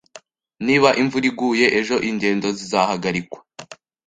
Niba imvura iguye ejo, ingendo zizahagarikwa